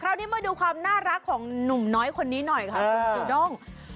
นี้มาดูความน่ารักของหนุ่มน้อยคนนี้หน่อยค่ะคุณจูด้ง